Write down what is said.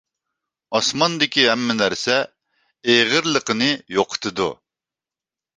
ئاسماندىكى ھەممە نەرسە ئېغىرلىقىنى يوقىتىدۇ.